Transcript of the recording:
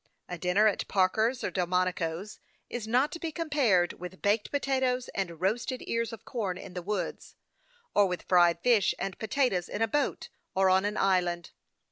A dinner at Parker's or Delmonico's is not to be compared with baked potatoes and roasted ears of corn in the woods, or with fried fish and potatoes in a boat or on an island.